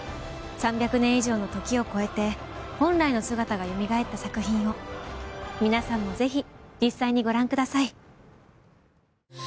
３００年以上の時を超えて本来の姿が蘇った作品を皆さんもぜひ実際にご覧ください。